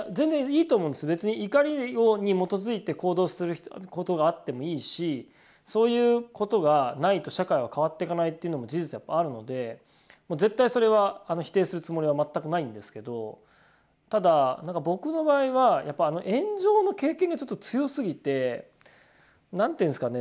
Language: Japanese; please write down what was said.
別に怒りに基づいて行動することがあってもいいしそういうことがないと社会は変わっていかないっていうのも事実あるので絶対それは否定するつもりは全くないんですけどただなんか僕の場合はやっぱ炎上の経験がちょっと強すぎて何ていうんですかね